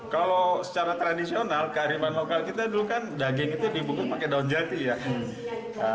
kalau secara tradisional kearifan lokal kita dulu kan daging itu dibungkus pakai daun jati ya